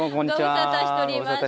ご無沙汰してます。